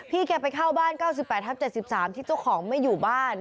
แกไปเข้าบ้าน๙๘ทับ๗๓ที่เจ้าของไม่อยู่บ้าน